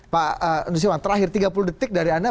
pak nusirwan terakhir tiga puluh detik dari anda